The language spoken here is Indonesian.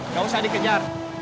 gak usah dikejar